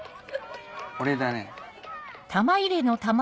俺だね。